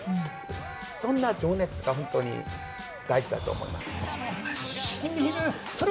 そんな情熱が本当に大事だと思います。